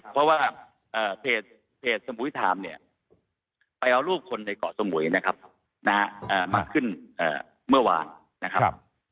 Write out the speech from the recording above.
เพราะว่าเพจสมุยไทม์เนี่ยไปเอาลูกคนในเกาะสมุยนะครับมากขึ้นเมื่อวานนะครับ